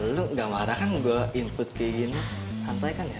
lu gak marah kan gue input kayak gini sampaikan ya